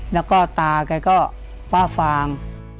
แล้วก็ตาแกก็ฟ้าฟาง